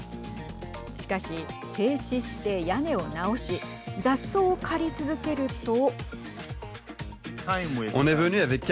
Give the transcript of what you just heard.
しかし、整地して屋根を直し雑草を刈り続けると。